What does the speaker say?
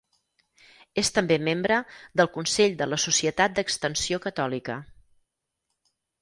És també membre del Consell de la Societat d'Extensió Catòlica.